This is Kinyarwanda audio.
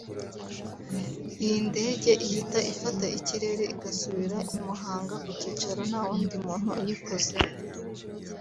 iyi ndege ihita ifata ikirere igasubira i Muhanga ku cyicaro nta wundi muntu uyikozeho